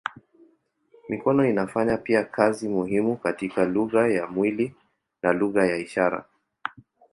Mikono inafanya pia kazi muhimu katika lugha ya mwili na lugha ya ishara.